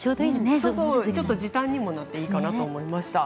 ちょっと時短にもなっていいと思いました。